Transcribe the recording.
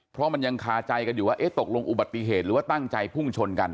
เพราะมันยังคาใจกันอยู่ว่าตกลงอุบัติเหตุหรือว่าตั้งใจพุ่งชนกัน